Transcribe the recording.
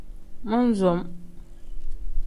Mon-som.